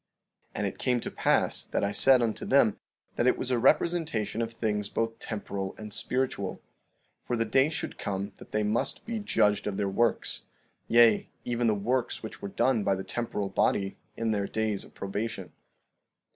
15:32 And it came to pass that I said unto them that it was a representation of things both temporal and spiritual; for the day should come that they must be judged of their works, yea, even the works which were done by the temporal body in their days of probation.